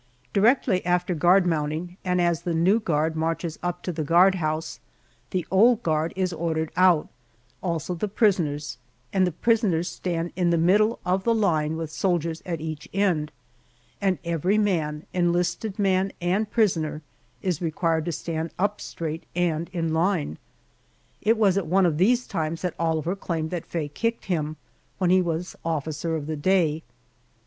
Directly after guard mounting, and as the new guard marches up to the guardhouse, the old guard is ordered out, also the prisoners, and the prisoners stand in the middle of the line with soldiers at each end, and every man, enlisted man and prisoner, is required to stand up straight and in line. It was at One of these times that Oliver claimed that Faye kicked him, when he was officer of the day.